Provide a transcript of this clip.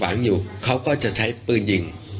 ว่าต้องเทียบเคียงกับเหตุการณ์นี้ด้วยเดี๋ยวลองฟังดูค่ะ